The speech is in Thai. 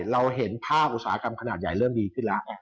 เราเห็นภาพอุตสาหกรรมขนาดใหญ่เริ่มดีขึ้นแล้ว